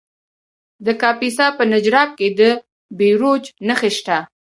د کاپیسا په نجراب کې د بیروج نښې شته.